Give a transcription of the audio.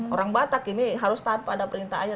orang batak ini harus tahan pada perintah ayah